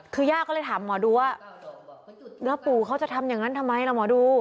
คือย่าก็เลยถามหมอดูว่าแล้วปู่เขาจะทำอย่างนั้นทำไมล่ะหมอดู